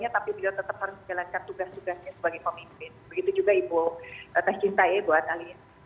tapi beliau tetap harus menjalankan tugas tugasnya sebagai pemimpin begitu juga ibu teh cinta ya buat alias